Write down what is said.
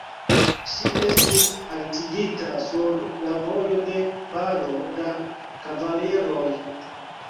Ŝi estis haltigita sur la vojo de paro da kavaliroj.